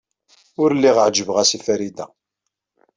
Ur lliɣ ɛejbeɣ-as i Farida.